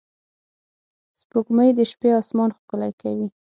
سپوږمۍ د شپې آسمان ښکلی کوي